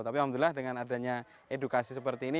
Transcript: tapi alhamdulillah dengan adanya edukasi seperti ini